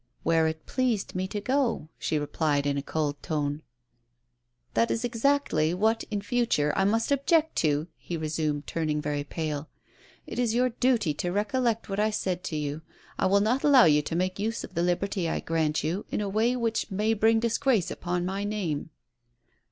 "Where it pleased me to go," she replied in a cold tone. "That is exactly what, in future, I must object to," he resumed, turning very pale. "It is your duty to recol lect what I said to you ; I will not allow you to make use of the liberty I grant you in a way which may bring disgrace upon my name."